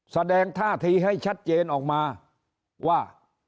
แสดงท่าทีให้ชัดเจนออกมาว่า